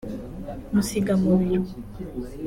musiga mu biro